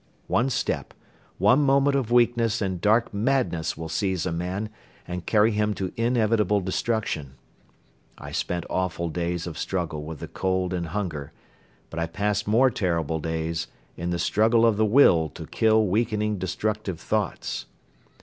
One step, one moment of weakness and dark madness will seize a man and carry him to inevitable destruction. I spent awful days of struggle with the cold and hunger but I passed more terrible days in the struggle of the will to kill weakening destructive thoughts.